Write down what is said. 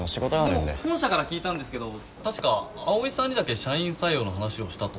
でも本社から聞いたんですけど確か青井さんにだけ社員採用の話をしたと。